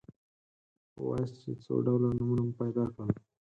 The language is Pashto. ووایاست چې څو ډوله نومونه مو پیدا کړل.